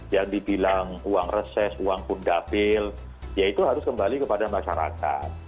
yang dibilang uang reses uang pun dapil ya itu harus kembali kepada masyarakat